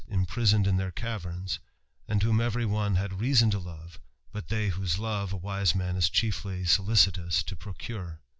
imprisoneJ in their caverns, and whom every one had reason to love, but they whose love a wise roan is chiefly solicitous to procure.